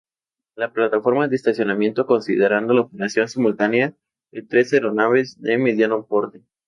La plataforma de estacionamiento considerando la operación simultánea de tres aeronaves de mediano porte.